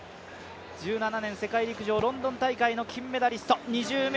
１７年世界陸上ロンドン大会の金メダリスト。